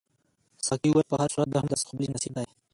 ساقي وویل په هر صورت بیا هم داسې ښودل یې نصیحت دی.